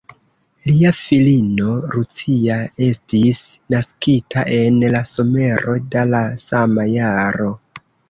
Lia filino Lucia estis naskita en la somero da la sama jaro.